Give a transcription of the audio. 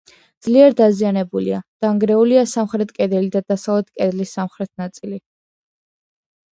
ძლიერ დაზიანებულია: დანგრეულია სამხრეთ კედელი და დასავლეთ კედლის სამხრეთ ნაწილი.